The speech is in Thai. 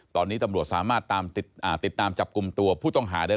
ตอนนี้ตำรวจสามารถติดตามจับกลุ่มตัวผู้ต้องหาได้